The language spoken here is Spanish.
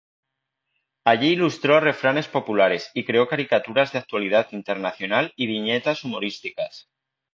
Allí ilustró refranes populares y creó caricaturas de actualidad internacional y viñetas humorísticas.